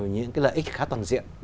những cái lợi ích khá toàn diện